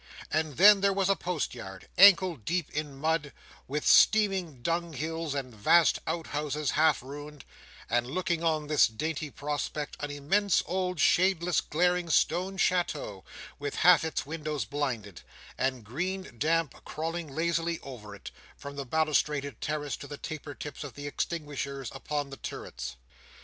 And then there was a postyard, ankle deep in mud, with steaming dunghills and vast outhouses half ruined; and looking on this dainty prospect, an immense, old, shadeless, glaring, stone chateau, with half its windows blinded, and green damp crawling lazily over it, from the balustraded terrace to the taper tips of the extinguishers upon the turrets.